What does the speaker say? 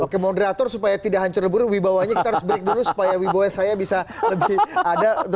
oke moderator supaya tidak hancur lebur wibawaannya kita harus break dulu supaya wibawaan saya bisa lebih ada untuk segmen berikutnya